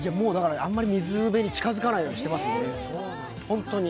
あんまり水辺に近づかないようにしてますね、本当に。